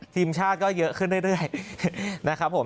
ทีมชาติก็เยอะขึ้นเรื่อยนะครับผม